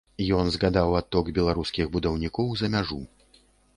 Ён згадаў адток беларускіх будаўнікоў за мяжу.